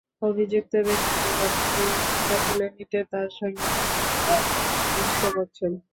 অভিযুক্ত ব্যক্তিদের অনেকেই মামলা তুলে নিতে তাঁর সঙ্গে নানাভাবে যোগাযোগের চেষ্টা করছেন।